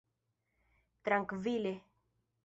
trankvile